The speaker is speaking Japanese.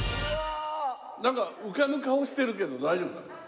なんか浮かぬ顔してるけど大丈夫？